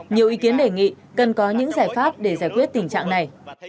nhiều ý kiến đề nghị cần có những giải pháp để giải quyết tình trạng này